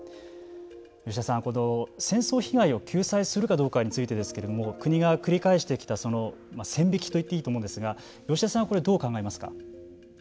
吉田さん、この戦争被害を救済するかどうかについてですけれども国が繰り返してきた線引きといっていいと思うんですが吉田さんはこれをどう考えますか。